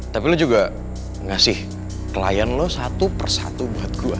tapi lo juga ngasih klien lo satu persatu buat gue